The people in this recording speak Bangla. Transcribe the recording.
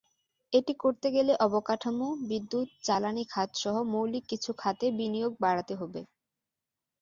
এটি করতে গেলে অবকাঠামো, বিদ্যুৎ-জ্বালানি খাতসহ মৌলিক কিছু খাতে বিনিয়োগ বাড়াতে হবে।